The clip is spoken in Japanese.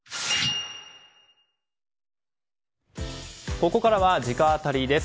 ここからは直アタリです。